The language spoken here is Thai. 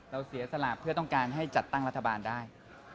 เสียสละเพื่อต้องการให้จัดตั้งรัฐบาลได้